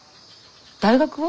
大学は？